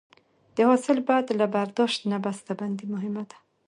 د حاصل بعد له برداشت نه بسته بندي مهمه ده.